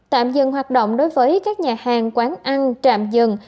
tạm dừng hoạt động đối với các nhà hàng quán ăn trạm dừng